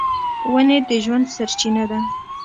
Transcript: ونې د ژوند سرچینه ده.